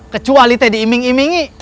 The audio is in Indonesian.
kecuali teh diiming imingi